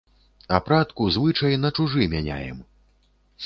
Апратку, звычай на чужы мяняем.